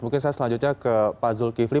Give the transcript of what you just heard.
mungkin saya selanjutnya ke pak zulkifli